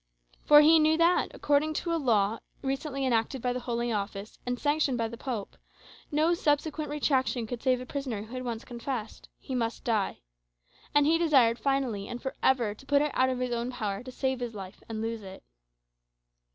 For he knew that, according to a law recently enacted by the Holy Office, and sanctioned by the Pope, no subsequent retractation could save a prisoner who had once confessed he must die. And he desired finally and for ever to put it out of his own power to save his life and lose it.